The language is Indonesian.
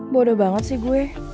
bodo banget sih gue